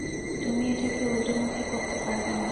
তুমি এটাকে উল্টোমুখী করতে পারবে না।